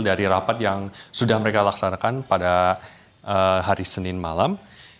dari rapat yang sudah mereka laksanakan pada hari senin malam